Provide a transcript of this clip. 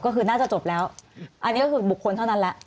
ก็คือน่าจะจบแล้วอันนี้ก็คือบุคคลเท่านั้นแหละ